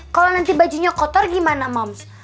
kalau nanti bajunya kotor gimana moms